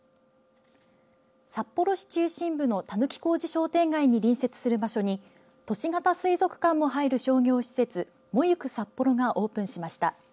札幌市中心部の狸小路商店街に隣接する場所に都市型水族館も入る商業施設モユクサッポロがオープンしました。